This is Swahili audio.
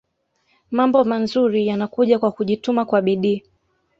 Mambo manzuri yanakuja kwa kujituma kwa bidii